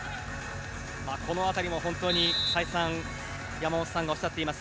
この辺りも本当に再三山本さんがおっしゃっています